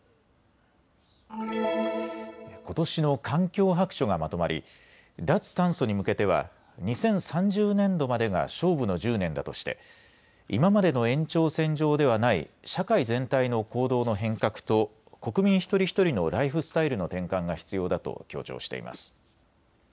ことしの環境白書がまとまり脱炭素に向けては２０３０年度までが勝負の１０年だとして今までの延長線上ではない社会全体の行動の変革と国民一人一人のライフスタイルの転換が必要だと強調しています。